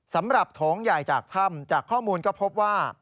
โถงใหญ่จากถ้ำจากข้อมูลก็พบว่า